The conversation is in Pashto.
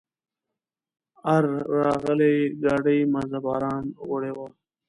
آر راغلي ګاډي مزه باران وړې وه.